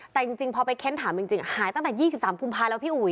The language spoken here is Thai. แต่จริงพอไปเค้นถามจริงหายตั้งแต่๒๓กุมภาแล้วพี่อุ๋ย